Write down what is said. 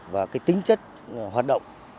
và tính chất hoạt động